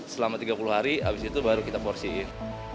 selama tiga puluh hari habis itu baru kita porsiin